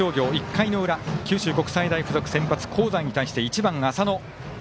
１回の裏、九州国際大付属先発、香西に対して１番、浅野。